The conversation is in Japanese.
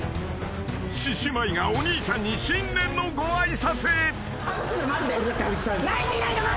［獅子舞がお兄ちゃんに新年のご挨拶］